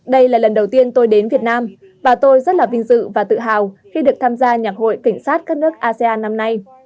đây là lần đầu tiên tôi đến việt nam và tôi rất là vinh dự và tự hào khi được tham gia nhạc hội cảnh sát các nước asean năm nay